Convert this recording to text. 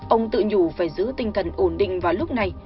ông tự nhủ phải giữ tinh thần ổn định vào lúc này